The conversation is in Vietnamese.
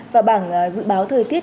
và bảng dự báo thời tiết